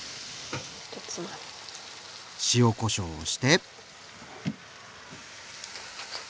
塩・こしょうをして。